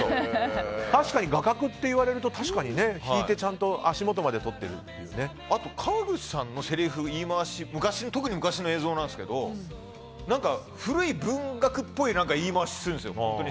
確かに画角って言われると引いてちゃんと足元まで川口さんのせりふ言い回し特に昔の映像なんですけど古い文学っぽい言い回しするんですよ。